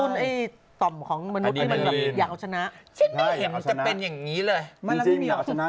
ต่อแห่งของมนุษย์ที่อยากจะชนะ